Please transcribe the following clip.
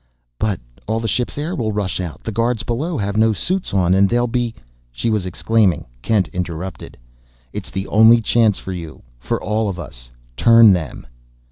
"But all the ship's air will rush out; the guards below have no suits on, and they'll be " she was exclaiming. Kent interrupted. "It's the only chance for you, for all of us. Turn them!"